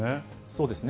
そうですね。